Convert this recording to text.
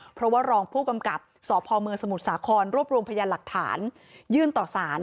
เพราะว่ารองผู้กำกับสพเมืองสมุทรสาครรวบรวมพยานหลักฐานยื่นต่อสาร